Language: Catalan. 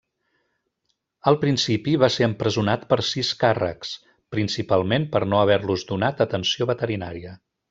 Al principi va ser empresonat per sis càrrecs, principalment per no haver-los donat atenció veterinària.